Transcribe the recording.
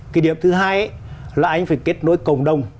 cái điểm thứ hai là anh phải kết nối cộng đồng